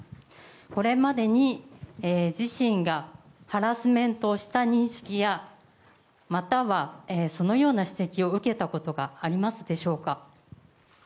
これまでに自身がハラスメントをした認識やまたはそのような指摘を受けたことがあるでしょうか？